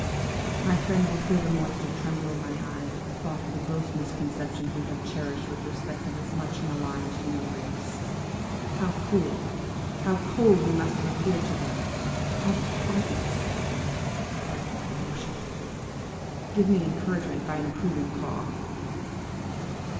"My friends, I feel the moisture tremble in my eyes at the thought of the gross misconceptions we have cherished with respect to this much maligned human race. How cruel, how cold we must have appeared to them! How heartless–pardon my emotion! ... Give me encouragement by an approving caw." .